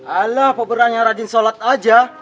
alah pak burhan yang rajin sholat aja